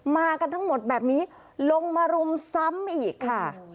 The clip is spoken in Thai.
มากันทั้งหมดแบบนี้ลงมารุมซ้ำอีกค่ะ